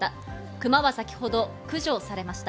クマは先ほど駆除されました。